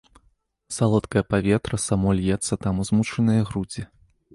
Салодкае паветра само льецца там у змучаныя грудзі.